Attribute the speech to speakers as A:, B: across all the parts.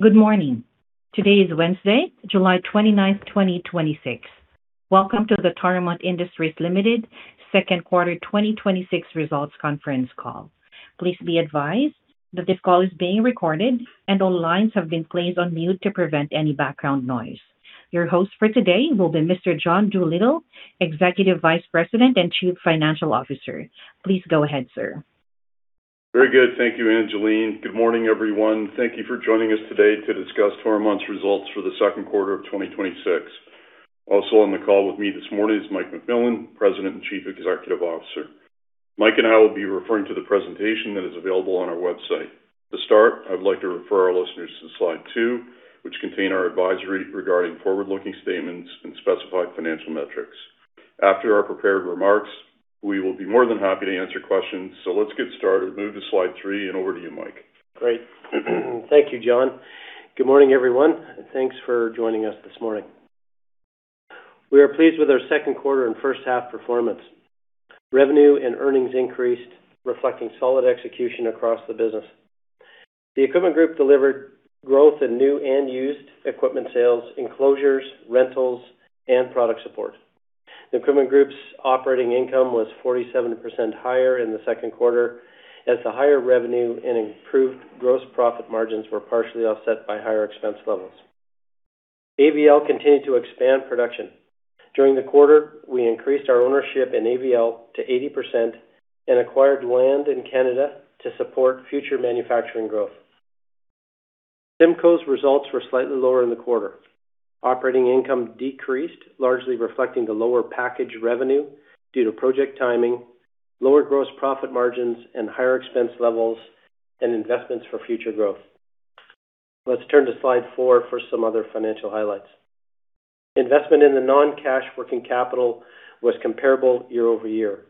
A: Good morning. Today is Wednesday, July 29th, 2026. Welcome to the Toromont Industries Limited second quarter 2026 results conference call. Please be advised that this call is being recorded and all lines have been placed on mute to prevent any background noise. Your host for today will be Mr. John Doolittle, Executive Vice President and Chief Financial Officer. Please go ahead, sir.
B: Very good. Thank you, Angeline. Good morning, everyone. Thank you for joining us today to discuss Toromont's results for the second quarter of 2026. Also on the call with me this morning is Mike McMillan, President and Chief Executive Officer. Mike and I will be referring to the presentation that is available on our website. To start, I'd like to refer our listeners to slide two, which contain our advisory regarding forward-looking statements and specified financial metrics. After our prepared remarks, we will be more than happy to answer questions. Let's get started, move to slide three, and over to you, Mike.
C: Great. Thank you, John. Good morning, everyone, and thanks for joining us this morning. We are pleased with our second quarter and first half performance. Revenue and earnings increased, reflecting solid execution across the business. The Equipment Group delivered growth in new and used equipment sales, enclosures, rentals, and product support. The Equipment Group's operating income was 47% higher in the second quarter as the higher revenue and improved gross profit margins were partially offset by higher expense levels. AVL continued to expand production. During the quarter, we increased our ownership in AVL to 80% and acquired land in Canada to support future manufacturing growth. CIMCO's results were slightly lower in the quarter. Operating income decreased, largely reflecting the lower package revenue due to project timing, lower gross profit margins, and higher expense levels and investments for future growth. Let's turn to slide four for some other financial highlights. Investment in the non-cash working capital was comparable year-over-year.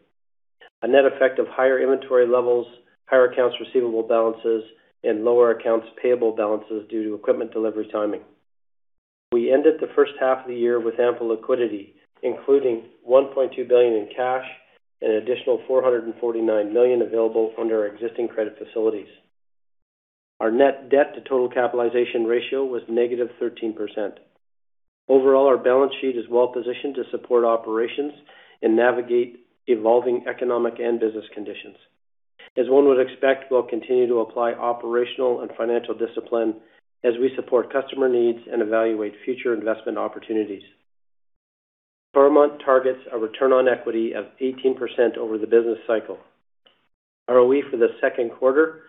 C: A net effect of higher inventory levels, higher accounts receivable balances, and lower accounts payable balances due to equipment delivery timing. We ended the first half of the year with ample liquidity, including 1.2 billion in cash and an additional 449 million available under our existing credit facilities. Our net debt to total capitalization ratio was -13%. Overall, our balance sheet is well-positioned to support operations and navigate evolving economic and business conditions. As one would expect, we'll continue to apply operational and financial discipline as we support customer needs and evaluate future investment opportunities. Toromont targets a return on equity of 18% over the business cycle. ROE for the second quarter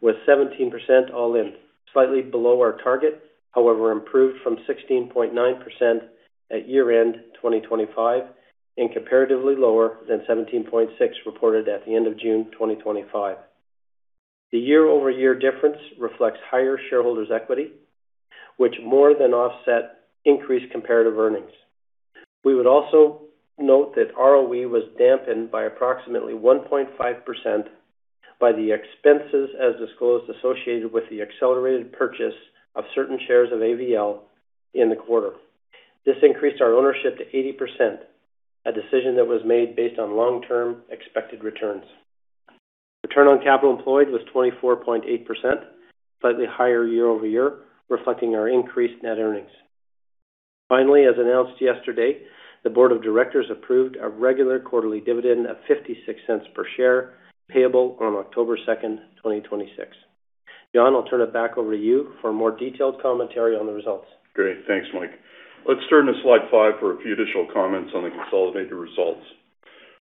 C: was 17% all in, slightly below our target, however, improved from 16.9% at year-end 2025 and comparatively lower than 17.6% reported at the end of June 2025. The year-over-year difference reflects higher shareholders' equity, which more than offset increased comparative earnings. We would also note that ROE was dampened by approximately 1.5% by the expenses as disclosed associated with the accelerated purchase of certain shares of AVL in the quarter. This increased our ownership to 80%, a decision that was made based on long-term expected returns. Return on capital employed was 24.8%, slightly higher year-over-year, reflecting our increased net earnings. Finally, as announced yesterday, the Board of Directors approved a regular quarterly dividend of 0.56 per share, payable on October 2nd, 2026. John, I'll turn it back over to you for more detailed commentary on the results.
B: Great. Thanks, Mike. Let's turn to slide five for a few additional comments on the consolidated results.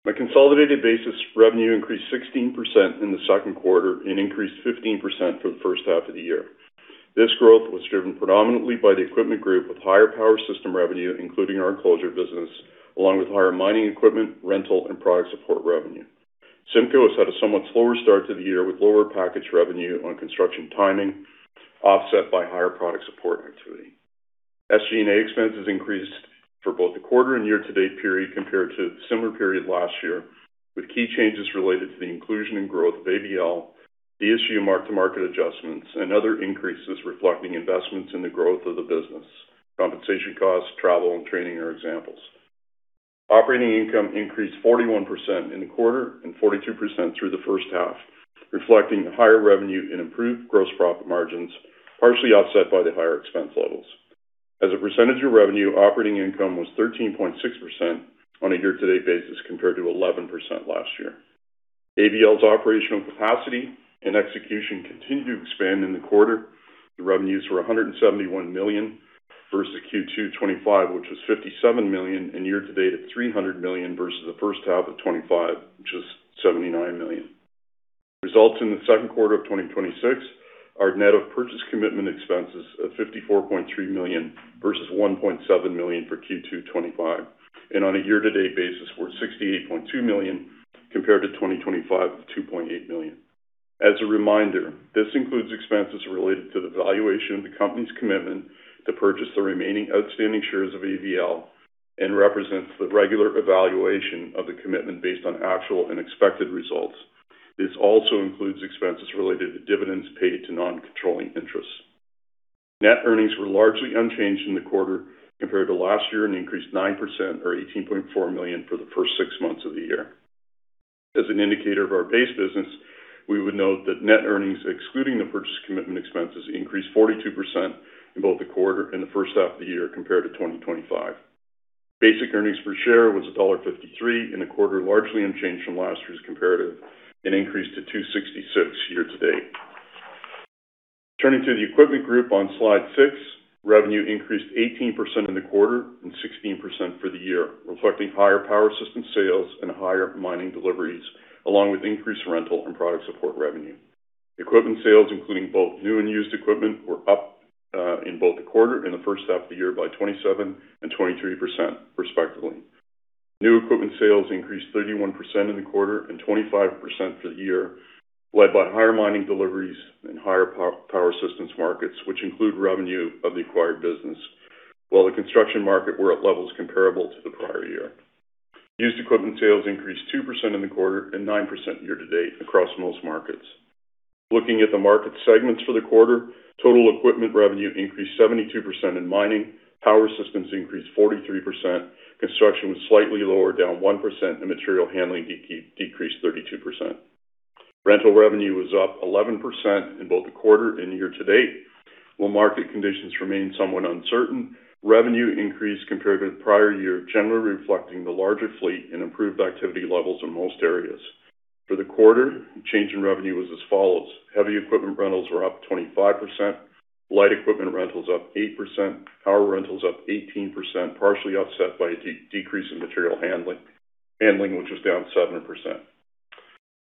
B: On a consolidated basis, revenue increased 16% in the second quarter and increased 15% for the first half of the year. This growth was driven predominantly by the Equipment Group with higher power system revenue, including our enclosure business, along with higher mining equipment, rental, and product support revenue. CIMCO has had a somewhat slower start to the year with lower package revenue on construction timing offset by higher product support activity. SG&A expenses increased for both the quarter and year-to-date period compared to the similar period last year, with key changes related to the inclusion and growth of AVL, the IFRS mark-to-market adjustments, and other increases reflecting investments in the growth of the business. Compensation costs, travel, and training are examples. Operating income increased 41% in the quarter and 42% through the first half, reflecting higher revenue and improved gross profit margins, partially offset by the higher expense levels. As a percentage of revenue, operating income was 13.6% on a year-to-date basis compared to 11% last year. AVL's operational capacity and execution continued to expand in the quarter. The revenues were 171 million versus Q2 2025, which was 57 million, and year-to-date at 300 million versus the first half of 2025, which was 79 million. Results in the second quarter of 2026 are net of purchase commitment expenses of 54.3 million versus 1.7 million for Q2 2025, and on a year-to-date basis were 68.2 million compared to 2025 with 2.8 million. As a reminder, this includes expenses related to the valuation of the company's commitment to purchase the remaining outstanding shares of AVL and represents the regular evaluation of the commitment based on actual and expected results. This also includes expenses related to dividends paid to non-controlling interests. Net earnings were largely unchanged in the quarter compared to last year and increased 9%, or 18.4 million for the first six months of the year. As an indicator of our base business, we would note that net earnings excluding the purchase commitment expenses increased 42% in both the quarter and the first half of the year compared to 2025. Basic earnings per share was dollar 1.53 in the quarter, largely unchanged from last year's comparative, and increased to 2.66 year-to-date. Turning to the Equipment Group on slide six, revenue increased 18% in the quarter and 16% for the year, reflecting higher power system sales and higher mining deliveries, along with increased rental and product support revenue. Equipment sales, including both new and used equipment, were up in both the quarter and the first half of the year by 27% and 23% respectively. New equipment sales increased 31% in the quarter and 25% for the year, led by higher mining deliveries and higher power systems markets, which include revenue of the acquired business. While the construction market were at levels comparable to the prior year. Used equipment sales increased 2% in the quarter and 9% year-to-date across most markets. Looking at the market segments for the quarter, total equipment revenue increased 72% in mining, power systems increased 43%, construction was slightly lower, down 1%, and material handling decreased 32%. Rental revenue was up 11% in both the quarter and year-to-date. While market conditions remain somewhat uncertain, revenue increased compared to the prior year, generally reflecting the larger fleet and improved activity levels in most areas. For the quarter, the change in revenue was as follows: heavy equipment rentals were up 25%, light equipment rentals up 8%, power rentals up 18%, partially offset by a decrease in material handling, which was down 7%.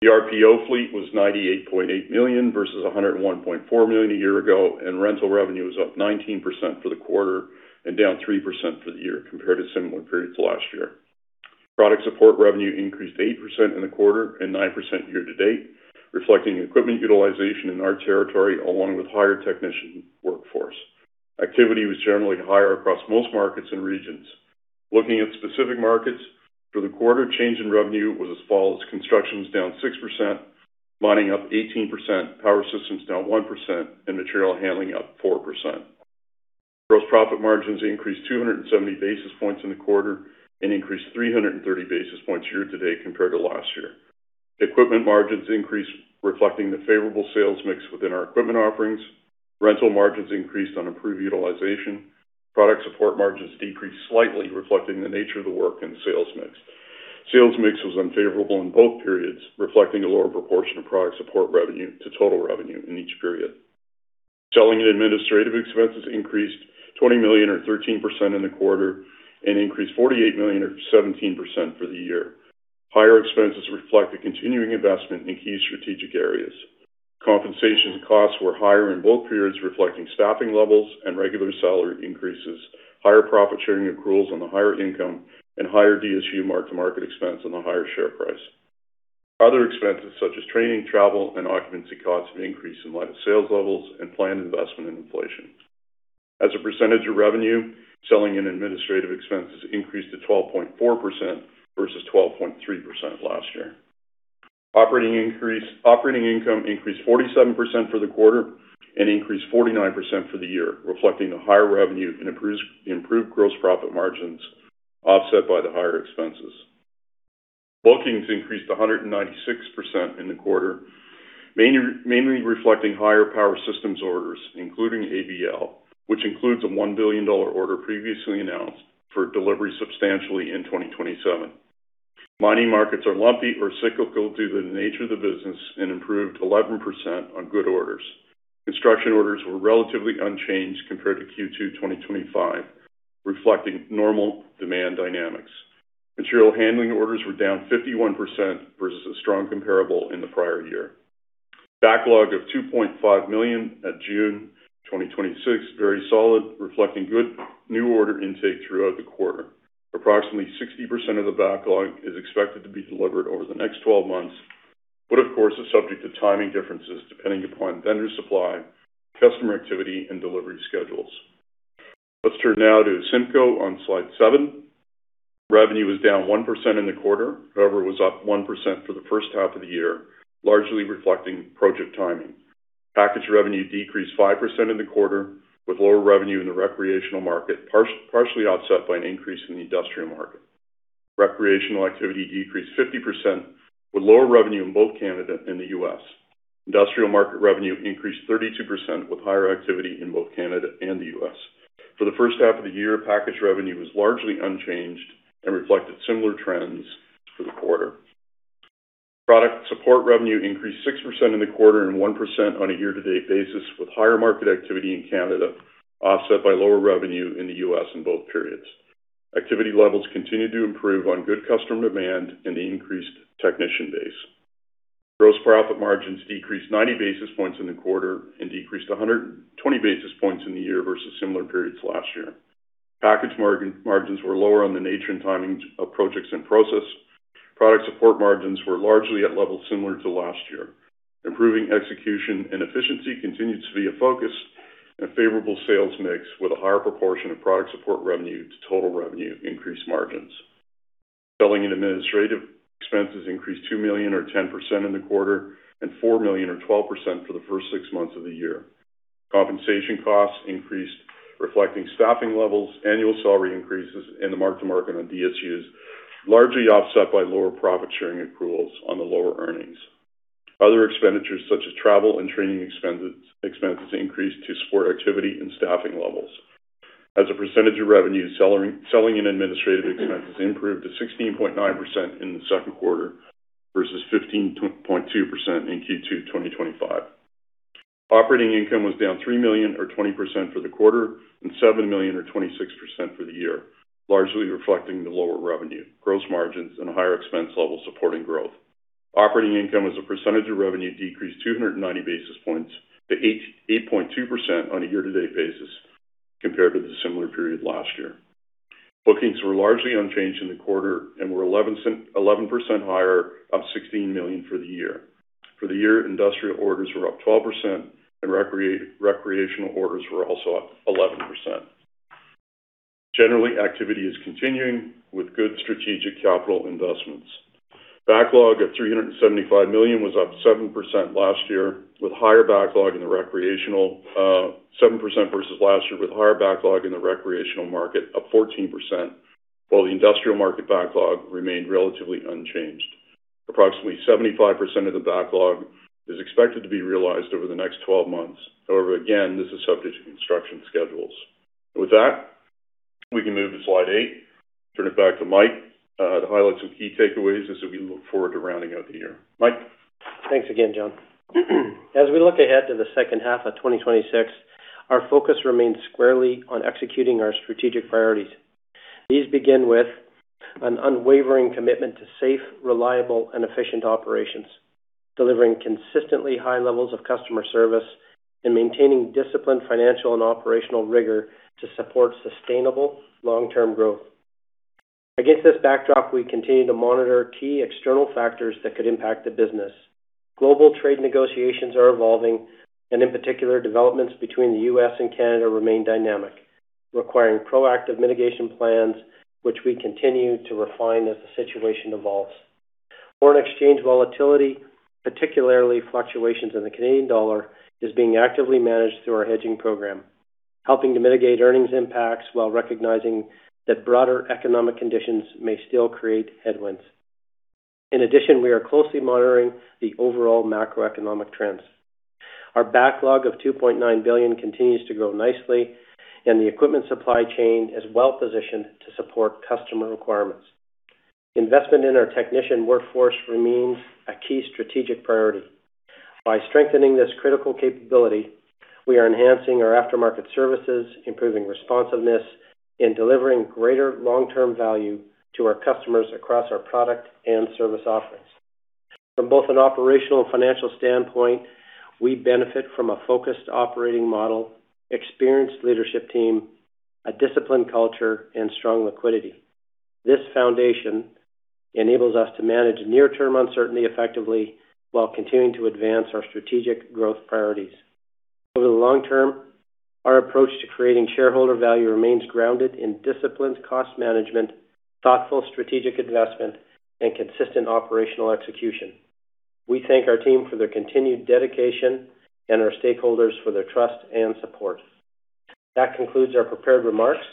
B: The RPO fleet was 98.8 million versus 101.4 million a year ago, and rental revenue was up 19% for the quarter and down 3% for the year compared to similar periods last year. Product support revenue increased 8% in the quarter and 9% year-to-date, reflecting equipment utilization in our territory, along with higher technician workforce. Activity was generally higher across most markets and regions. Looking at specific markets for the quarter, change in revenue was as follows: construction was down 6%, mining up 18%, power systems down 1%, and material handling up 4%. Gross profit margins increased 270 basis points in the quarter and increased 330 basis points year-to-date compared to last year. Equipment margins increased, reflecting the favorable sales mix within our equipment offerings. Rental margins increased on improved utilization. Product support margins decreased slightly, reflecting the nature of the work and sales mix. Sales mix was unfavorable in both periods, reflecting a lower proportion of product support revenue to total revenue in each period. Selling and administrative expenses increased 20 million or 13% in the quarter and increased 48 million or 17% for the year. Higher expenses reflect the continuing investment in key strategic areas. Compensation costs were higher in both periods, reflecting staffing levels and regular salary increases, higher profit sharing accruals on the higher income, and higher DSU mark-to-market expense on the higher share price. Other expenses such as training, travel, and occupancy costs increased in light of sales levels and planned investment in inflation. As a percentage of revenue, selling and administrative expenses increased to 12.4% versus 12.3% last year. Operating income increased 47% for the quarter and increased 49% for the year, reflecting the higher revenue and improved gross profit margins, offset by the higher expenses. Bookings increased 196% in the quarter, mainly reflecting higher power systems orders, including AVL, which includes a CAD 1 billion order previously announced for delivery substantially in 2027. Mining markets are lumpy or cyclical due to the nature of the business and improved 11% on good orders. Construction orders were relatively unchanged compared to Q2 2025, reflecting normal demand dynamics. Material handling orders were down 51% versus a strong comparable in the prior year. Backlog of 2.5 billion at June 2026, very solid, reflecting good new order intake throughout the quarter. Approximately 60% of the backlog is expected to be delivered over the next 12 months, but of course is subject to timing differences depending upon vendor supply, customer activity, and delivery schedules. Let's turn now to CIMCO on slide seven. Revenue was down 1% in the quarter. However, it was up 1% for the first half of the year, largely reflecting project timing. Package revenue decreased 5% in the quarter, with lower revenue in the recreational market, partially offset by an increase in the industrial market. Recreational activity decreased 50%, with lower revenue in both Canada and the U.S. Industrial market revenue increased 32%, with higher activity in both Canada and the U.S. For the first half of the year, package revenue was largely unchanged and reflected similar trends for the quarter. Product support revenue increased 6% in the quarter and 1% on a year-to-date basis, with higher market activity in Canada offset by lower revenue in the U.S. in both periods. Activity levels continued to improve on good customer demand and the increased technician base. Gross profit margins decreased 90 basis points in the quarter and decreased 120 basis points in the year versus similar periods last year. Package margins were lower on the nature and timing of projects in process. Product support margins were largely at levels similar to last year. Improving execution and efficiency continued to be a focus and a favorable sales mix with a higher proportion of product support revenue to total revenue increased margins. Selling and administrative expenses increased 2 million or 10% in the quarter, and 4 million or 12% for the first six months of the year. Compensation costs increased, reflecting staffing levels, annual salary increases in the mark-to-market on DSUs, largely offset by lower profit sharing accruals on the lower earnings. Other expenditures, such as travel and training expenses, increased to support activity and staffing levels. As a percentage of revenue, selling and administrative expenses improved to 16.9% in the second quarter versus 15.2% in Q2 2025. Operating income was down 3 million or 20% for the quarter, and 7 million or 26% for the year, largely reflecting the lower revenue, gross margins, and a higher expense level supporting growth. Operating income as a percentage of revenue decreased 290 basis points to 8.2% on a year-to-date basis compared to the similar period last year. Bookings were largely unchanged in the quarter and were 11% higher, up 16 million for the year. For the year, industrial orders were up 12% and recreational orders were also up 11%. Generally, activity is continuing with good strategic capital investments. Backlog of 375 million was up 7% versus last year, with higher backlog in the recreational market up 14%, while the industrial market backlog remained relatively unchanged. Approximately 75% of the backlog is expected to be realized over the next 12 months. However, again, this is subject to construction schedules. With that, we can move to slide eight, turn it back to Mike to highlight some key takeaways as we look forward to rounding out the year. Mike?
C: Thanks again, John. As we look ahead to the second half of 2026, our focus remains squarely on executing our strategic priorities. These begin with an unwavering commitment to safe, reliable, and efficient operations, delivering consistently high levels of customer service, and maintaining disciplined financial and operational rigor to support sustainable long-term growth. Against this backdrop, we continue to monitor key external factors that could impact the business. Global trade negotiations are evolving, in particular, developments between the U.S. and Canada remain dynamic, requiring proactive mitigation plans, which we continue to refine as the situation evolves. Foreign exchange volatility, particularly fluctuations in the Canadian dollar, is being actively managed through our hedging program, helping to mitigate earnings impacts while recognizing that broader economic conditions may still create headwinds. In addition, we are closely monitoring the overall macroeconomic trends. Our backlog of 2.9 billion continues to grow nicely and the equipment supply chain is well-positioned to support customer requirements. Investment in our technician workforce remains a key strategic priority. By strengthening this critical capability, we are enhancing our aftermarket services, improving responsiveness, and delivering greater long-term value to our customers across our product and service offerings. From both an operational and financial standpoint, we benefit from a focused operating model, experienced leadership team, a disciplined culture, and strong liquidity. This foundation enables us to manage near-term uncertainty effectively while continuing to advance our strategic growth priorities. Over the long term, our approach to creating shareholder value remains grounded in disciplined cost management, thoughtful strategic investment, and consistent operational execution. We thank our team for their continued dedication and our stakeholders for their trust and support. That concludes our prepared remarks.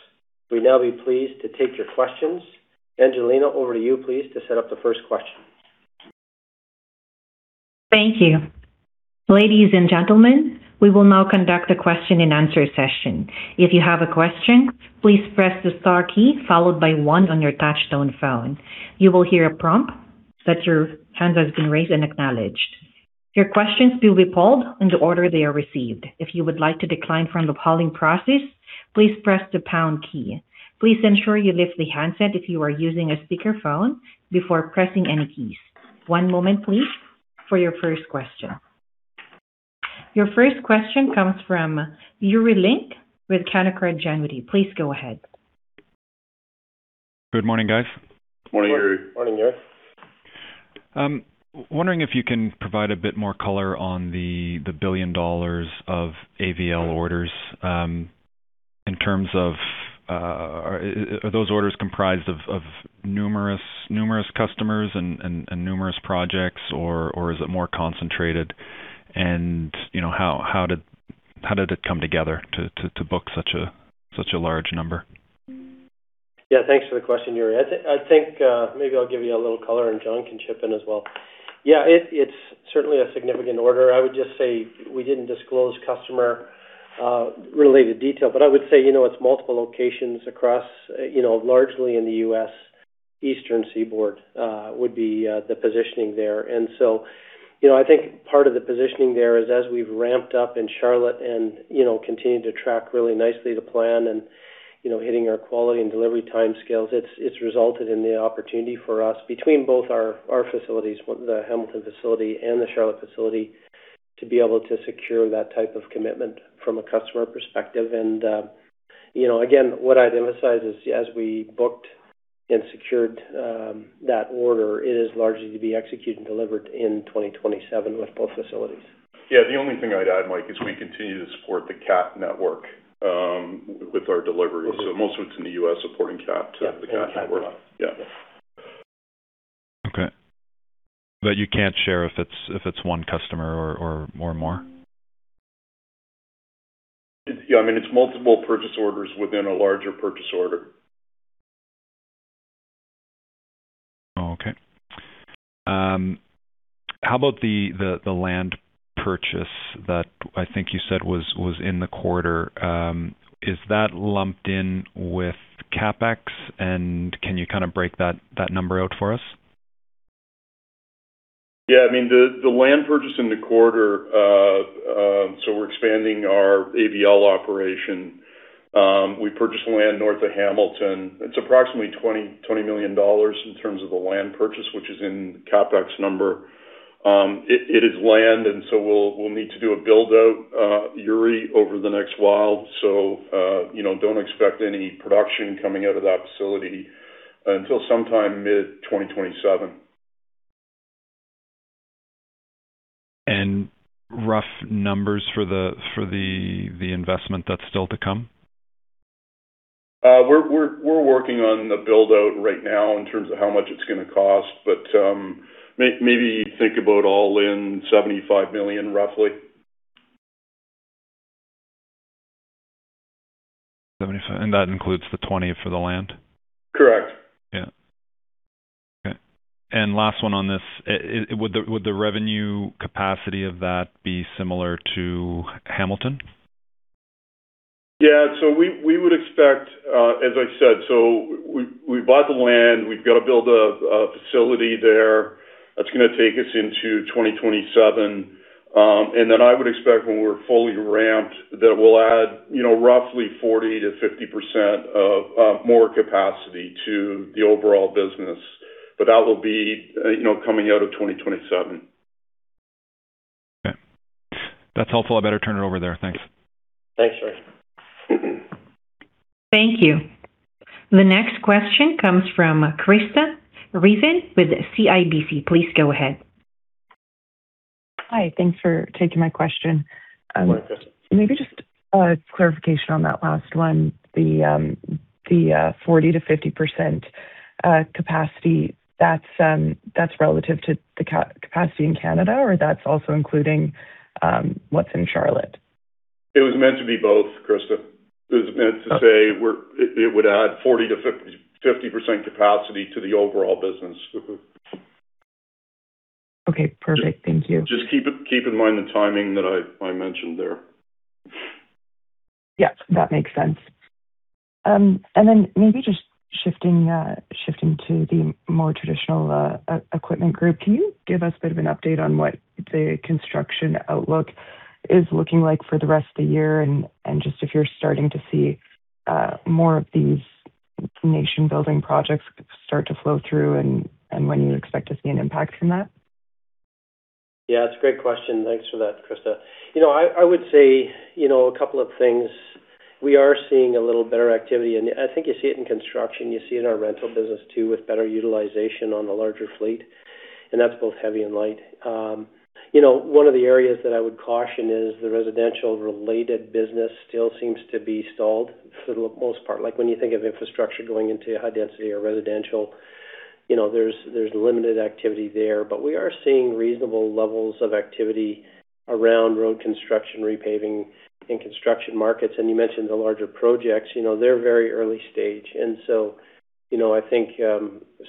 C: We'd now be pleased to take your questions. Angelina, over to you, please, to set up the first question.
A: Thank you. Ladies and gentlemen, we will now conduct a question-and-answer session. If you have a question, please press the star key followed by one on your touchtone phone. You will hear a prompt that your hand has been raised and acknowledged. Your questions will be polled in the order they are received. If you would like to decline from the polling process, please press the pound key. Please ensure you lift the handset if you are using a speakerphone before pressing any keys. One moment, please, for your first question. Your first question comes from Yuri Lynk with Canaccord Genuity. Please go ahead.
D: Good morning, guys.
B: Morning, Yuri.
C: Morning, Yuri.
D: I'm wondering if you can provide a bit more color on the 1 billion dollars of AVL orders, in terms of, are those orders comprised of numerous customers and numerous projects, or is it more concentrated? How did it come together to book such a large number?
C: Thanks for the question, Yuri. I think maybe I'll give you a little color and John can chip in as well. It's certainly a significant order. I would just say we didn't disclose customer-related detail, but I would say it's multiple locations across, largely in the U.S. Eastern Seaboard, would be the positioning there. I think part of the positioning there is as we've ramped up in Charlotte and continue to track really nicely the plan and hitting our quality and delivery timescales, it's resulted in the opportunity for us between both our facilities, the Hamilton facility and the Charlotte facility, to be able to secure that type of commitment from a customer perspective. Again, what I'd emphasize is as we booked and secured that order, it is largely to be executed and delivered in 2027 with both facilities.
B: The only thing I'd add, Mike, is we continue to support the CAT network with our delivery. Most of it's in the U.S. supporting CAT to the CAT network.
C: Yeah.
D: Okay. You can't share if it's one customer or more?
B: It's multiple purchase orders within a larger purchase order.
D: Oh, okay. How about the land purchase that I think you said was in the quarter? Is that lumped in with CapEx and can you break that number out for us?
B: Yeah. The land purchase in the quarter, we're expanding our AVL operation. We purchased land north of Hamilton. It's approximately 20 million dollars in terms of the land purchase, which is in the CapEx number. It is land, and so we'll need to do a build-out, Yuri, over the next while. Don't expect any production coming out of that facility until sometime mid-2027.
D: Rough numbers for the investment that's still to come?
B: We're working on the build-out right now in terms of how much it's going to cost, but maybe think about all in 75 million, roughly.
D: 75 million, and that includes the 20 million for the land?
B: Correct.
D: Yeah. Okay. Last one on this. Would the revenue capacity of that be similar to Hamilton?
B: Yeah. As I said, we bought the land. We've got to build a facility there. That's going to take us into 2027. Then I would expect when we're fully ramped, that we'll add roughly 40%-50% of more capacity to the overall business but that will be coming out of 2027.
D: Okay. That's helpful. I better turn it over there. Thanks.
B: Thanks, Yuri.
A: Thank you. The next question comes from Krista Friesen with CIBC. Please go ahead.
E: Hi. Thanks for taking my question.
B: Good morning, Krista.
E: Maybe just a clarification on that last one, the 40%-50% capacity, that's relative to the capacity in Canada, or that's also including what's in Charlotte?
B: It was meant to be both, Krista. It was meant to say it would add 40%-50% capacity to the overall business.
E: Okay, perfect. Thank you.
B: Just keep in mind the timing that I mentioned there.
E: Yeah, that makes sense. Maybe just shifting to the more traditional Equipment Group. Can you give us a bit of an update on what the construction outlook is looking like for the rest of the year, and just if you're starting to see more of these nation-building projects start to flow through, and when you expect to see an impact from that?
C: Yeah, it's a great question. Thanks for that, Krista. I would say a couple of things. We are seeing a little better activity, and I think you see it in construction. You see it in our rental business, too, with better utilization on the larger fleet, and that's both heavy and light. One of the areas that I would caution is the residential-related business still seems to be stalled for the most part. Like when you think of infrastructure going into high density or residential, there's limited activity there but we are seeing reasonable levels of activity around road construction, repaving, and construction markets and you mentioned the larger projects. They're very early stage and so I think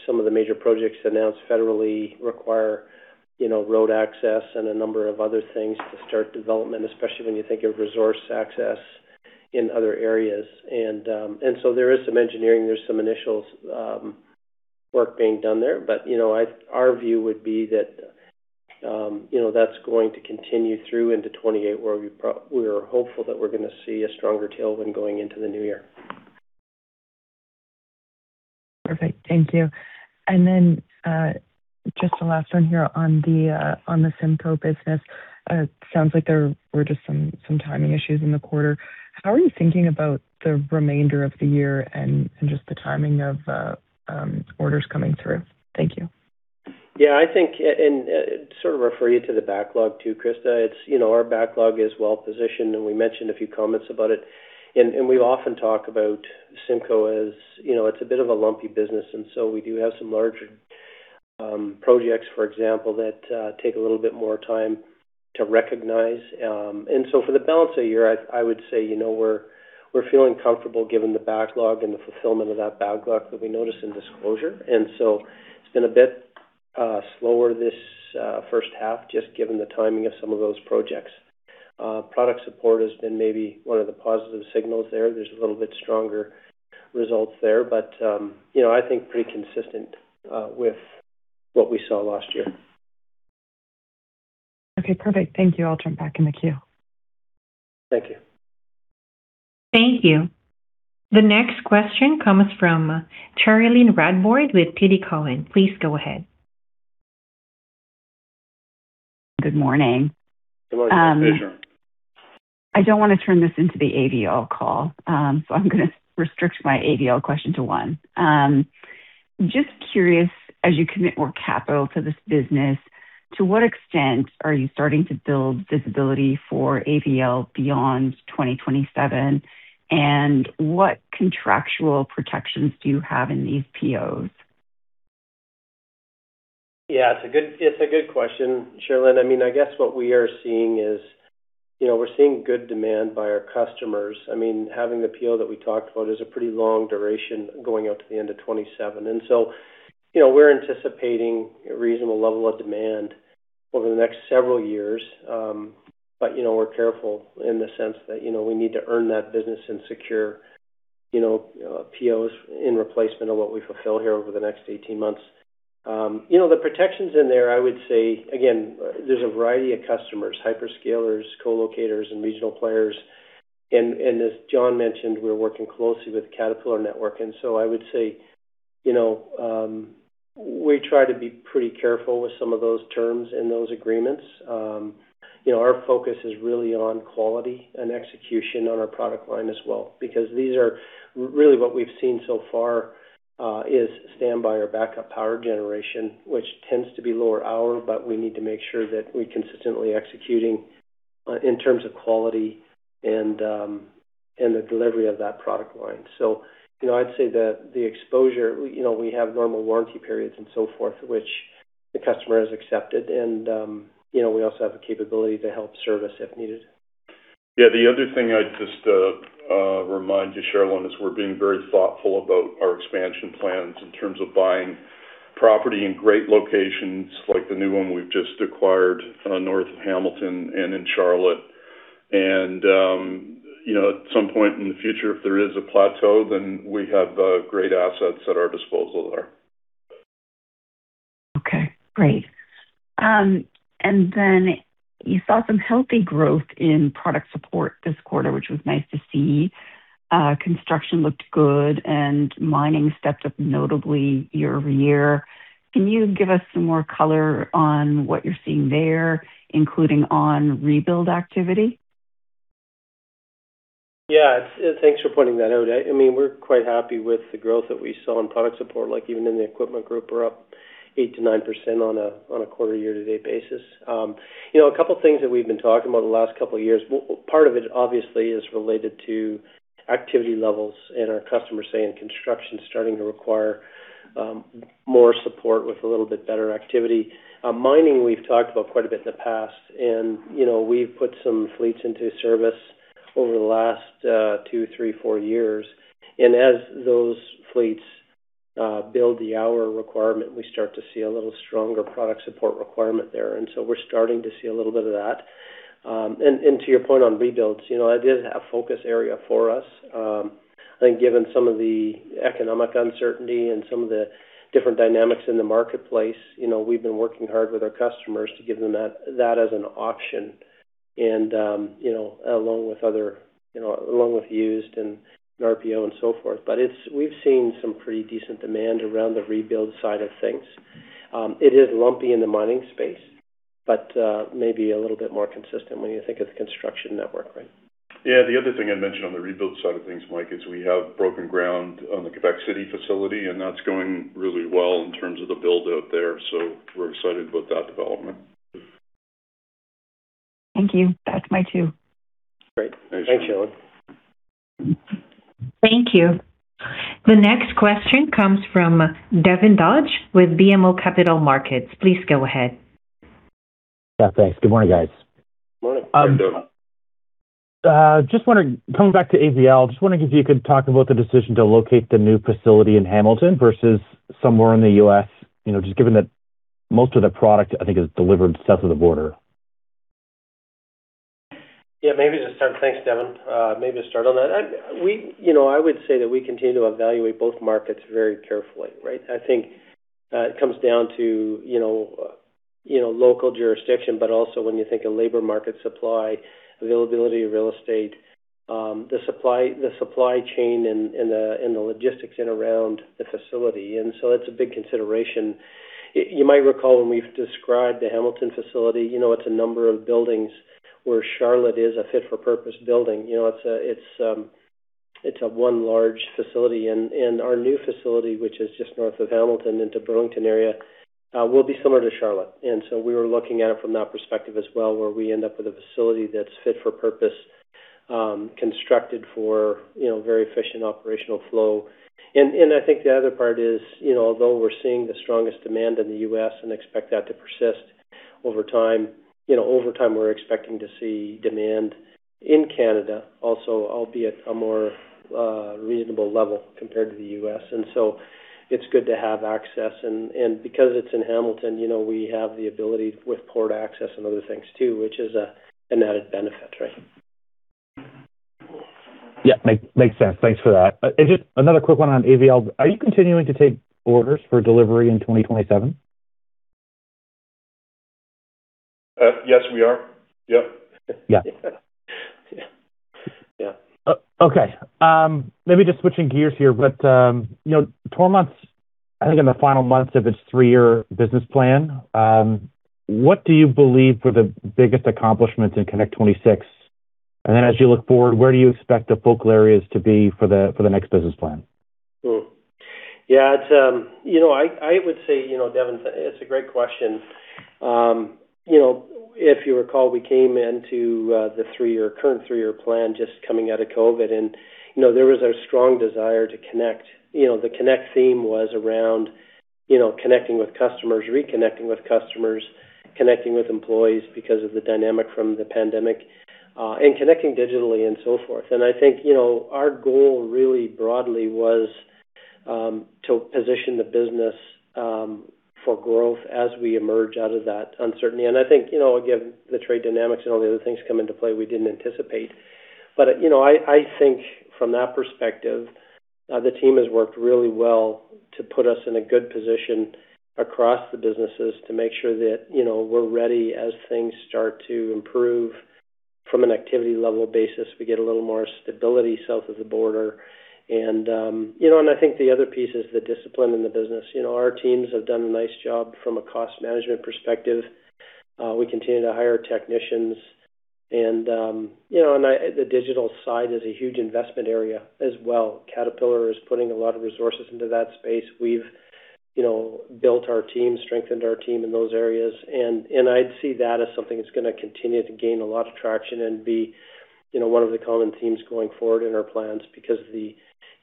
C: some of the major projects announced federally require road access and a number of other things to start development, especially when you think of resource access in other areas. There is some engineering, there's some initial work being done there. Our view would be that's going to continue through into 2028, where we are hopeful that we're going to see a stronger tailwind going into the new year.
E: Perfect. Thank you. Just the last one here on the CIMCO business. Sounds like there were just some timing issues in the quarter. How are you thinking about the remainder of the year and just the timing of orders coming through? Thank you.
C: Yeah. Sort of refer you to the backlog, too, Krista. Our backlog is well-positioned, and we mentioned a few comments about it. We often talk about CIMCO as it's a bit of a lumpy business, and so we do have some larger projects, for example, that take a little bit more time to recognize. For the balance of the year, I would say we're feeling comfortable given the backlog and the fulfillment of that backlog that we noticed in disclosure and so it's been a bit slower this first half, just given the timing of some of those projects. Product support has been maybe one of the positive signals there. There's a little bit stronger results there. I think pretty consistent with what we saw last year.
E: Okay, perfect. Thank you. I'll jump back in the queue.
C: Thank you.
A: Thank you. The next question comes from Cherilyn Radbourne with TD Cowen. Please go ahead.
F: Good morning.
C: Good morning. It's a pleasure.
F: I don't want to turn this into the AVL call, so I'm going to restrict my AVL question to one. Just curious, as you commit more capital to this business to what extent are you starting to build visibility for AVL beyond 2027, and what contractual protections do you have in these POs?
C: It's a good question, Cherilyn. I guess what we are seeing is, we're seeing good demand by our customers. Having the PO that we talked about is a pretty long duration going out to the end of 2027. We're anticipating a reasonable level of demand over the next several years. We're careful in the sense that we need to earn that business and secure POs in replacement of what we fulfill here over the next 18 months. The protection's in there, I would say, again, there's a variety of customers, hyperscalers, co-locators, and regional players. As John mentioned, we're working closely with Caterpillar network, and so I would say, we try to be pretty careful with some of those terms and those agreements. Our focus is really on quality and execution on our product line as well because these are really what we've seen so far is standby or backup power generation, which tends to be lower hour, but we need to make sure that we're consistently executing, in terms of quality and the delivery of that product line. I'd say that the exposure, we have normal warranty periods and so forth, which the customer has accepted. We also have the capability to help service if needed.
B: The other thing I'd just remind you, Cherilyn, is we're being very thoughtful about our expansion plans in terms of buying property in great locations like the new one we've just acquired north of Hamilton and in Charlotte. At some point in the future, if there is a plateau, then we have great assets at our disposal there.
F: Okay, great. You saw some healthy growth in product support this quarter, which was nice to see. Construction looked good, and mining stepped up notably year-over-year, can you give us some more color on what you're seeing there, including on rebuild activity?
C: Yeah. Thanks for pointing that out. We're quite happy with the growth that we saw in product support. Even in the Equipment Group, we're up 8%-9% on a quarter year-to-date basis. A couple things that we've been talking about the last couple years, part of it obviously is related to activity levels and our customers saying construction's starting to require more support with a little bit better activity. Mining, we've talked about quite a bit in the past, and we've put some fleets into service over the last two, three, four years. As those fleets build the hour requirement, we start to see a little stronger product support requirement there and so we're starting to see a little bit of that. To your point on rebuilds, it is a focus area for us. I think given some of the economic uncertainty and some of the different dynamics in the marketplace, we've been working hard with our customers to give them that as an option and along with used and RPO and so forth. We've seen some pretty decent demand around the rebuild side of things. It is lumpy in the mining space, but maybe a little bit more consistent when you think of the construction network, right?
B: Yeah. The other thing I'd mention on the rebuild side of things, Mike, is we have broken ground on the Québec City facility, that's going really well in terms of the build out there so we're excited about that development.
F: Thank you. Back to Mike too.
C: Great. Thanks, Cherilyn.
A: Thank you. The next question comes from Devin Dodge with BMO Capital Markets. Please go ahead.
G: Yeah, thanks. Good morning, guys.
B: Morning.
C: How you doing?
G: Just wondering, coming back to AVL, just wondering if you could talk about the decision to locate the new facility in Hamilton versus somewhere in the U.S., just given that most of the product, I think, is delivered south of the border.
C: Yeah. Thanks, Devin. Maybe to start on that. I would say that we continue to evaluate both markets very carefully, right? I think it comes down to local jurisdiction, but also when you think of labor market supply, availability of real estate, the supply chain and the logistics in around the facility and so that's a big consideration. You might recall when we've described the Hamilton facility, it's a number of buildings where Charlotte is a fit for purpose building. It's one large facility, and our new facility, which is just north of Hamilton into Burlington area, will be similar to Charlotte. We were looking at it from that perspective as well, where we end up with a facility that's fit for purpose, constructed for very efficient operational flow. I think the other part is, although we're seeing the strongest demand in the U.S. and expect that to persist over time, we're expecting to see demand in Canada also, albeit a more reasonable level compared to the U.S. It's good to have access, and because it's in Hamilton, we have the ability with port access and other things too, which is an added benefit, right?
G: Yeah. Makes sense. Thanks for that. Just another quick one on AVL. Are you continuing to take orders for delivery in 2027?
B: Yes, we are. Yep.
G: Yeah.
C: Yeah.
G: Maybe just switching gears here, Toromont's, I think, in the final months of its three-year business plan. What do you believe were the biggest accomplishments in Connect26? As you look forward, where do you expect the focal areas to be for the next business plan?
C: I would say, Devin, it's a great question. If you recall, we came into the current three-year plan just coming out of COVID, and there was a strong desire to connect. The connect theme was around connecting with customers, reconnecting with customers, connecting with employees because of the dynamic from the pandemic, and connecting digitally, and so forth. I think our goal really broadly was to position the business for growth as we emerge out of that uncertainty. I think, again, the trade dynamics and all the other things come into play we didn't anticipate. I think from that perspective, the team has worked really well to put us in a good position across the businesses to make sure that we're ready as things start to improve from an activity level basis. We get a little more stability south of the border. I think the other piece is the discipline in the business. Our teams have done a nice job from a cost management perspective. We continue to hire technicians, the digital side is a huge investment area as well. Caterpillar is putting a lot of resources into that space. We've built our team, strengthened our team in those areas, I'd see that as something that's going to continue to gain a lot of traction and be one of the common themes going forward in our plans because the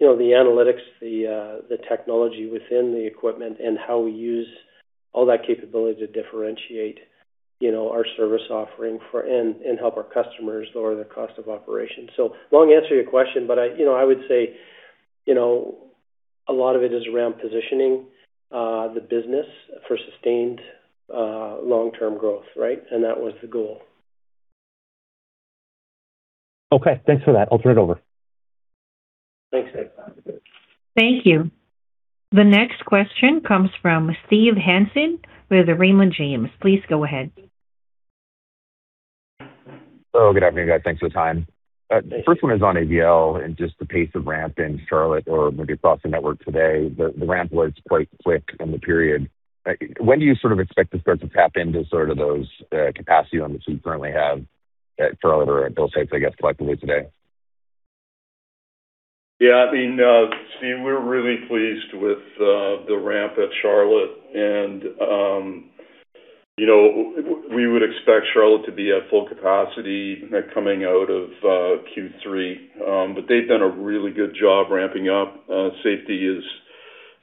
C: analytics, the technology within the equipment, and how we use all that capability to differentiate our service offering and help our customers lower their cost of operation. Long answer to your question, I would say a lot of it is around positioning the business for sustained long-term growth. Right? That was the goal.
G: Okay, thanks for that. I'll turn it over.
C: Thanks. Thank you for that.
A: Thank you. The next question comes from Steve Hansen with Raymond James. Please go ahead.
H: Oh, good afternoon, guys. Thanks for the time. The first one is on AVL and just the pace of ramp in Charlotte or maybe across the network today. The ramp was quite quick in the period. When do you expect to start to tap into those capacity limits you currently have at Charlotte or at those sites, I guess, collectively today?
B: Yeah, Steve, we're really pleased with the ramp at Charlotte and we would expect Charlotte to be at full capacity coming out of Q3. They've done a really good job ramping up. Safety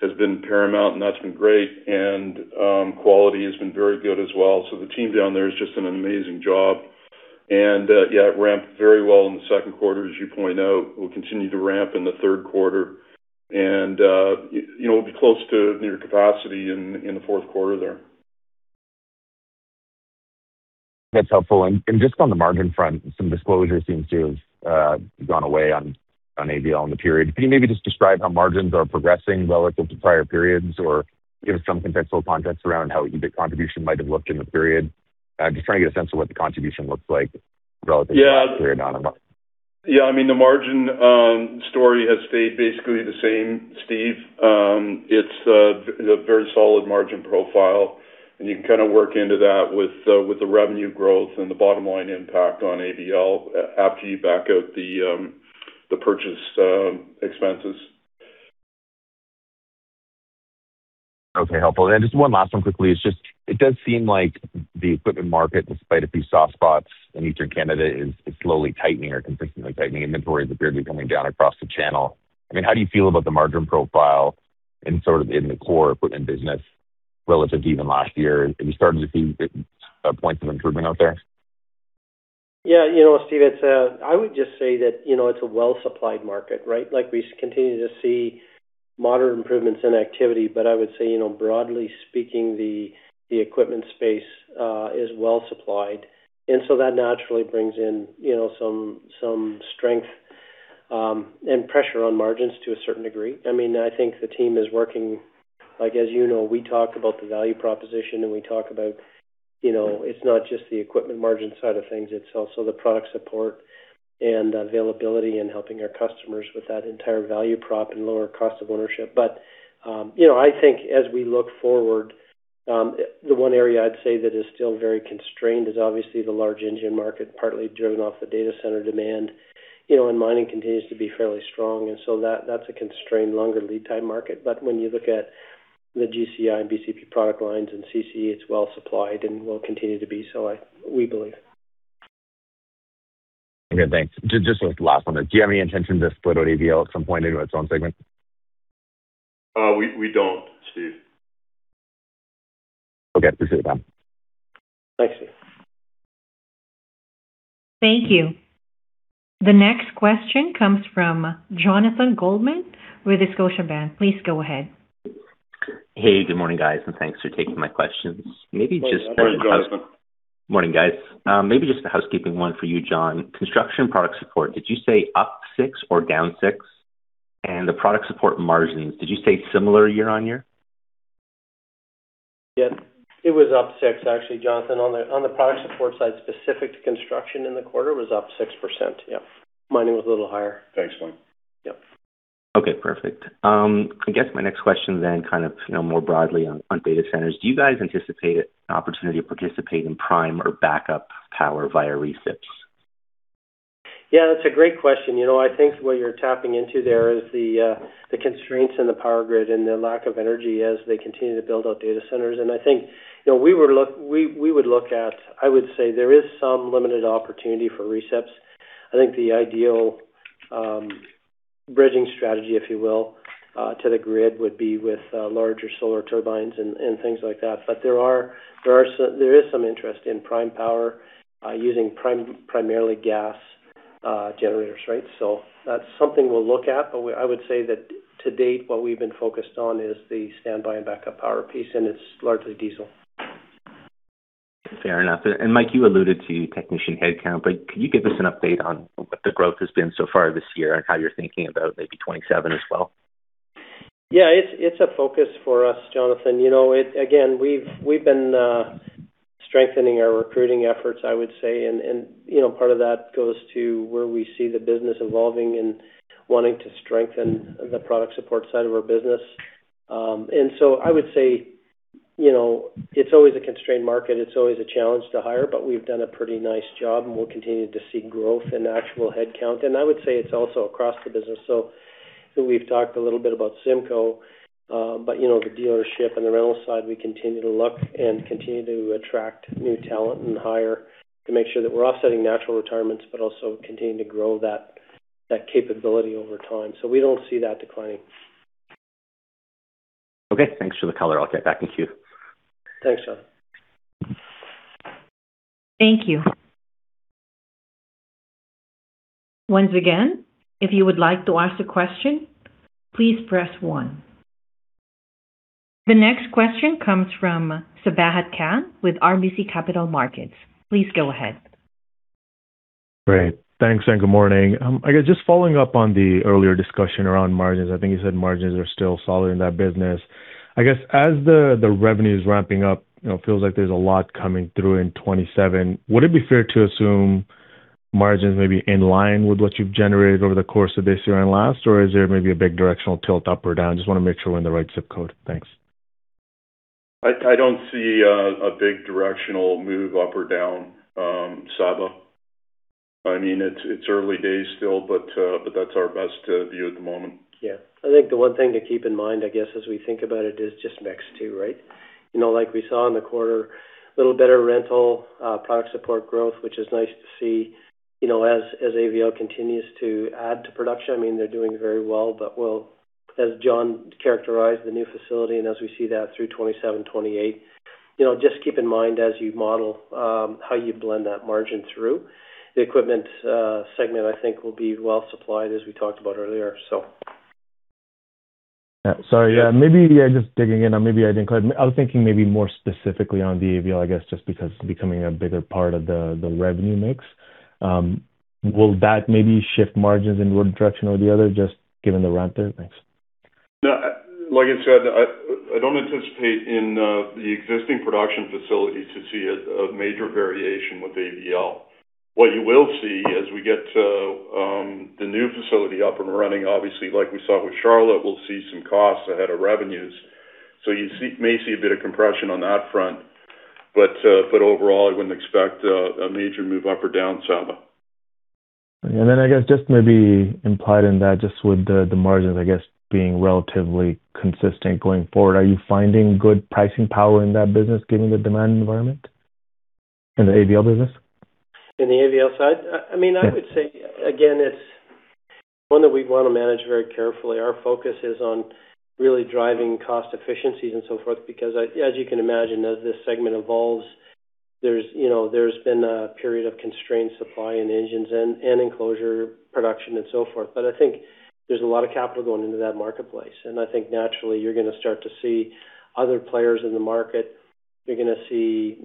B: has been paramount, and that's been great, and quality has been very good as well. The team down there has just done an amazing job. Yeah, it ramped very well in the second quarter, as you point out. We'll continue to ramp in the third quarter and it'll be close to near capacity in the fourth quarter there.
H: That's helpful. Just on the margin front, some disclosure seems to have gone away on AVL in the period. Can you maybe just describe how margins are progressing relative to prior periods or give us some conceptual context around how EBIT contribution might have looked in the period? Just trying to get a sense of what the contribution looks like relative to-
B: Yeah.
H: ...the period.
B: Yeah, the margin story has stayed basically the same, Steve. It's a very solid margin profile and you can kind of work into that with the revenue growth and the bottom line impact on AVL after you back out the purchase expenses.
H: Okay. Helpful. Just one last one quickly. It does seem like the equipment market, despite a few soft spots in Eastern Canada, is slowly tightening or consistently tightening. Inventories appear to be coming down across the channel. How do you feel about the margin profile in the core equipment business relative to even last year? Are you starting to see points of improvement out there?
C: Yeah, Steve, I would just say that it's a well-supplied market, right? We continue to see moderate improvements in activity. I would say, broadly speaking, the equipment space is well-supplied and so that naturally brings in some strength and pressure on margins to a certain degree. I think the team is working, as you know, we talk about the value proposition and we talk about it's not just the equipment margin side of things, it's also the product support and availability and helping our customers with that entire value prop and lower cost of ownership. I think as we look forward, the one area I'd say that is still very constrained is obviously the large engine market, partly driven off the data center demand, and mining continues to be fairly strong and so that's a constrained longer lead time market. When you look at the GCI and BCP product lines and CCE, it's well supplied and will continue to be so, we believe.
H: Okay, thanks. Just the last one. Do you have any intention to split out AVL at some point into its own segment?
B: We don't, Steve.
H: Okay, appreciate the time.
C: Thanks, Steve.
A: Thank you. The next question comes from Jonathan Goldman with Scotiabank. Please go ahead.
I: Good morning, guys, thanks for taking my questions.
B: Morning, Jonathan.
I: Morning, guys. Maybe just a housekeeping one for you, John. Construction product support, did you say up 6% or down 6%? The product support margins, did you say similar year-on-year?
C: Yeah, it was up 6% actually, Jonathan. On the product support side specific to construction in the quarter was up 6%. Yeah. Mining was a little higher.
I: Thanks, Mike.
C: Yep.
I: Okay, perfect. I guess my next question kind of more broadly on data centers. Do you guys anticipate an opportunity to participate in prime or backup power via recips?
C: Yeah, that's a great question. I think what you're tapping into there is the constraints in the power grid and the lack of energy as they continue to build out data centers. I think we would look at, I would say, there is some limited opportunity for recips. I think the ideal bridging strategy, if you will, to the grid would be with larger solar turbines and things like that. There is some interest in prime power using primarily gas generators, right? That's something we'll look at. I would say that to date, what we've been focused on is the standby and backup power piece, and it's largely diesel.
I: Fair enough. Mike, you alluded to technician headcount, but could you give us an update on what the growth has been so far this year and how you're thinking about maybe 2027 as well?
C: It's a focus for us, Jonathan. We've been strengthening our recruiting efforts, I would say, and part of that goes to where we see the business evolving and wanting to strengthen the product support side of our business. I would say, it's always a constrained market. It's always a challenge to hire, but we've done a pretty nice job, and we're continuing to see growth in actual headcount. I would say it's also across the business. We've talked a little bit about CIMCO, but the dealership and the rental side, we continue to look and continue to attract new talent and hire to make sure that we're offsetting natural retirements, but also continuing to grow that capability over time. We don't see that declining.
I: Thanks for the color. I'll get back in queue.
C: Thanks, John.
A: Thank you. Once again, if you would like to ask a question, please press one. The next question comes from Sabahat Khan with RBC Capital Markets. Please go ahead.
J: Great. Thanks. Good morning. I guess just following up on the earlier discussion around margins, I think you said margins are still solid in that business. I guess as the revenue is ramping up, it feels like there's a lot coming through in 2027. Would it be fair to assume margins may be in line with what you've generated over the course of this year and last, or is there maybe a big directional tilt up or down? Just want to make sure we're in the right zip code. Thanks.
B: I don't see a big directional move up or down, Sabahat. It's early days still, but that's our best view at the moment.
C: Yeah. I think the one thing to keep in mind, I guess, as we think about it, is just mix too, right? Like we saw in the quarter, a little better rental product support growth, which is nice to see as AVL continues to add to production. They're doing very well, but as John characterized the new facility, and as we see that through 2027, 2028, just keep in mind as you model how you blend that margin through. The Equipment segment, I think, will be well-supplied, as we talked about earlier, so.
J: Yeah. Sorry, maybe just digging in, or maybe I was thinking maybe more specifically on the AVL, I guess, just because it's becoming a bigger part of the revenue mix. Will that maybe shift margins in one direction or the other, just given the ramp there? Thanks.
B: No, like I said, I don't anticipate in the existing production facilities to see a major variation with AVL. What you will see as we get the new facility up and running, obviously, like we saw with Charlotte, we'll see some costs ahead of revenues. You may see a bit of compression on that front. Overall, I wouldn't expect a major move up or down, Sabahat.
J: I guess, just maybe implied in that, just with the margins, I guess, being relatively consistent going forward, are you finding good pricing power in that business given the demand environment in the AVL business?
C: In the AVL side, I would say, again, it's one that we want to manage very carefully. Our focus is on really driving cost efficiencies and so forth, because as you can imagine, as this segment evolves, there's been a period of constrained supply in engines and enclosure production and so forth. I think there's a lot of capital going into that marketplace, and I think naturally you're going to start to see other players in the market. You're going to see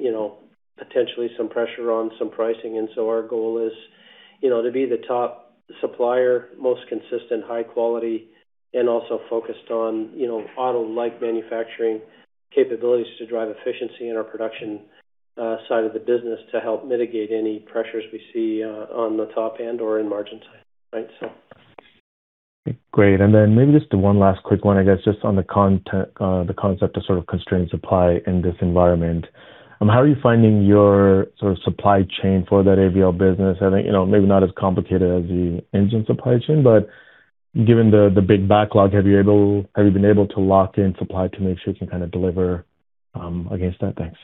C: potentially some pressure on some pricing, our goal is to be the top supplier, most consistent, high quality, and also focused on auto-like manufacturing capabilities to drive efficiency in our production side of the business to help mitigate any pressures we see on the top end or in margin side. Thanks, sir.
J: Great. And then maybe just one last quick one, I guess, just on the concept of constrained supply in this environment. How are you finding your supply chain for that AVL business? I think maybe not as complicated as the engine supply chain, but given the big backlog, have you been able to lock in supply to make sure you can deliver against that? Thanks.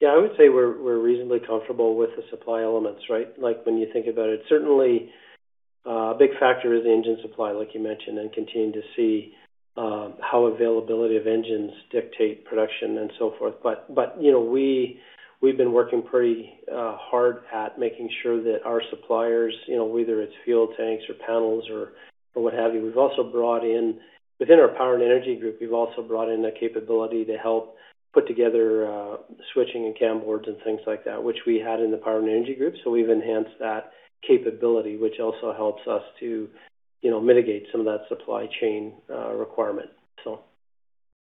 C: Yeah, I would say we're reasonably comfortable with the supply elements, right? Like when you think about it, certainly a big factor is engine supply, like you mentioned, and continuing to see how availability of engines dictate production and so forth. We've been working pretty hard at making sure that our suppliers, whether it's fuel tanks or panels or what have you, within our power and energy group, we've also brought in a capability to help put together switching and cam boards and things like that, which we had in the power and energy group. We've enhanced that capability, which also helps us to mitigate some of that supply chain requirement.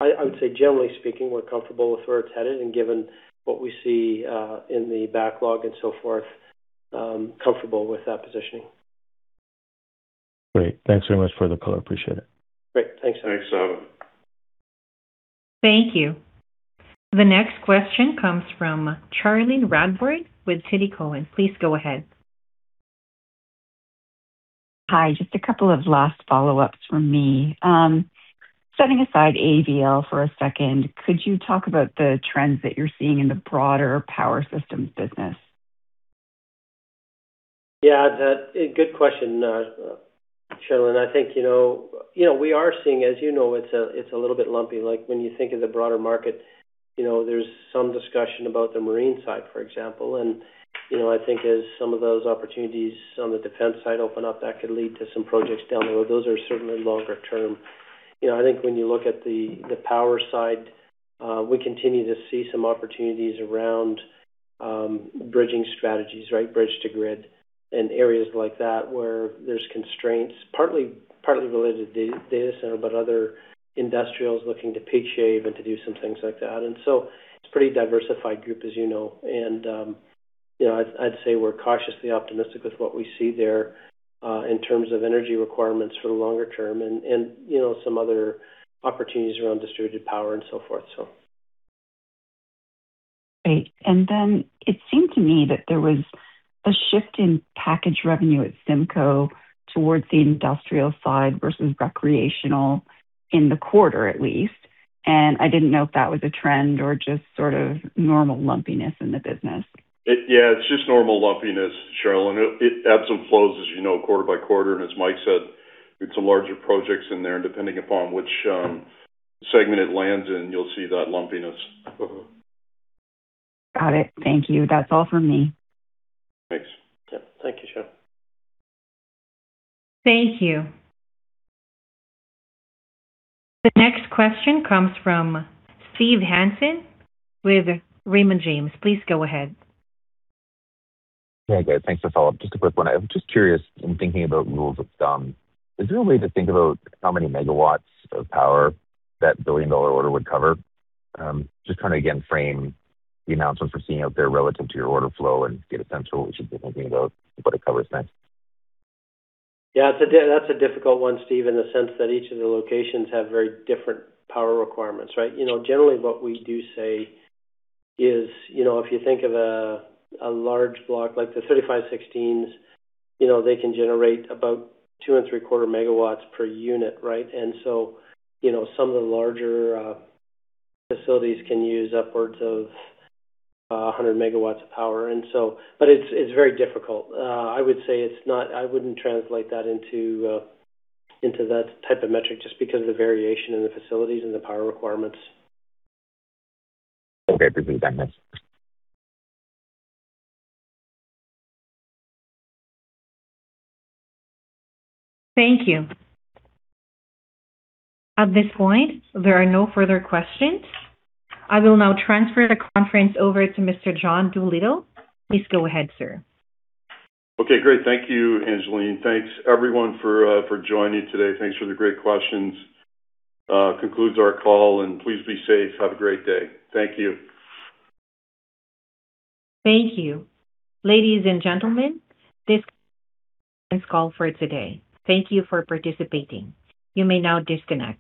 C: I would say, generally speaking, we're comfortable with where it's headed, and given what we see in the backlog and so forth, comfortable with that positioning.
J: Great. Thanks very much for the color. Appreciate it.
C: Great. Thanks, Sabahat.
B: Thanks.
A: Thank you. The next question comes from Cherilyn Radbourne with TD Cowen. Please go ahead.
F: Hi. Just a couple of last follow-ups from me. Setting aside AVL for a second, could you talk about the trends that you're seeing in the broader power systems business?
C: Yeah, good question, Cherilyn. I think, we are seeing, as you know, it's a little bit lumpy, like when you think of the broader market, there's some discussion about the marine side, for example. I think as some of those opportunities on the defense side open up, that could lead to some projects down the road, those are certainly longer term. I think when you look at the power side, we continue to see some opportunities around bridging strategies, right? Bridge to grid and areas like that where there's constraints, partly related to data center, but other industrials looking to peak shave and to do some things like that. So it's a pretty diversified group, as you know. I'd say we're cautiously optimistic with what we see there, in terms of energy requirements for the longer term and some other opportunities around distributed power and so forth.
F: Great. Then it seemed to me that there was a shift in package revenue at CIMCO towards the industrial side versus recreational in the quarter at least, and I didn't know if that was a trend or just sort of normal lumpiness in the business.
B: Yeah, it's just normal lumpiness, Cherilyn. It ebbs and flows, as you know, quarter-by-quarter. As Mike said, we have some larger projects in there, and depending upon which segment it lands in, you'll see that lumpiness.
F: Got it. Thank you. That's all for me.
B: Thanks.
C: Yeah. Thank you, Cherilyn.
A: Thank you. The next question comes from Steve Hansen with Raymond James. Please go ahead.
H: Hey, guys. Thanks for the follow-up. Just a quick one. I'm just curious in thinking about rules of thumb, is there a way to think about how many megawatts of power that billion-dollar order would cover? Just trying to, again, frame the announcements we're seeing out there relative to your order flow and get a sense for what we should be thinking about what it covers next.
C: Yeah, that's a difficult one, Steve, in the sense that each of the locations have very different power requirements, right? Generally what we do say is, if you think of a large block like the 3516s, they can generate about 2.75 MW per unit, right? Some of the larger facilities can use upwards of 100 MW of power. It's very difficult. I would say I wouldn't translate that into that type of metric just because of the variation in the facilities and the power requirements.
H: Okay. Appreciate that, Mike.
A: Thank you. At this point, there are no further questions. I will now transfer the conference over to Mr. John Doolittle. Please go ahead, sir.
B: Okay, great. Thank you, Angeline. Thanks everyone for joining today. Thanks for the great questions. Concludes our call and please be safe. Have a great day. Thank you.
A: Thank you. Ladies and gentlemen, this concludes call for today. Thank you for participating. You may now disconnect.